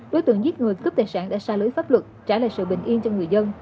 đối tượng giết người cướp tài sản đã xa lưới pháp luật trả lại sự bình yên cho người dân